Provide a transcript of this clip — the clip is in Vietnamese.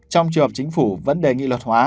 trong trường hợp chính phủ vẫn đề nghị luật hóa